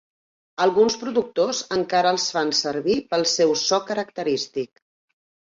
Alguns productors encara els fan servir pel seu so característic.